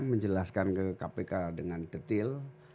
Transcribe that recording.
menjelaskan ke kpk dengan detail